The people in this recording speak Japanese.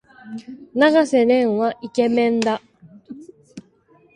永瀬廉はイケメンだ。